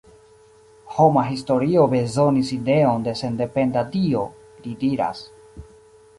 Homa historio bezonis ideon de sendependa Dio, li diras.